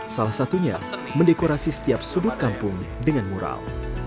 salah satunya mendekorasi setiap sudut kampung dengan mural